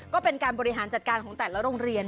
ก็เป็นการบริหารจัดการของแต่ละโรงเรียน